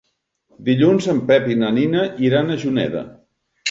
Dilluns en Pep i na Nina iran a Juneda.